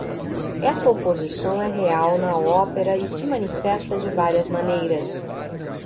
Essa oposição é real na ópera e se manifesta de várias maneiras.